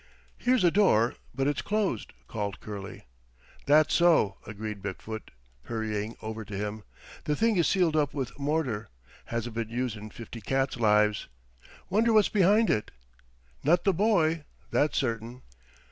"Here's a door, but it's closed," called Curley. "That's so," agreed Big foot, hurrying over to him. "The thing is sealed up with mortar. Hasn't been used in fifty cats' lives. Wonder what's behind it." "Not the boy; that's certain."